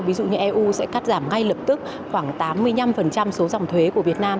ví dụ như eu sẽ cắt giảm ngay lập tức khoảng tám mươi năm số dòng thuế của việt nam